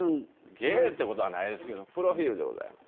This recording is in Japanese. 芸ってことはないですけどプロフィルでございます。